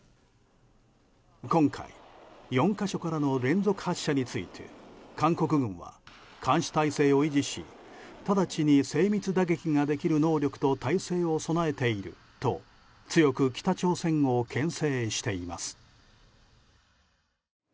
今回、４か所からの連続発射について韓国軍は監視態勢を維持し直ちに精密打撃ができる能力と態勢を備えていると強く北朝鮮を牽制しています。